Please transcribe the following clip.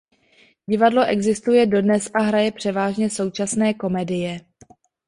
Divadlo existuje dodnes a hraje převážně současné komedie.